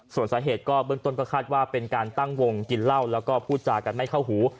ส่วนสาเหตุก็เบื้องต้นก็คาดว่าเป็นการตั้งวงกินเหล้าแล้วก็พูดจากันไม่เข้าหู